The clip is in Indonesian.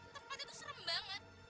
tempat itu serem banget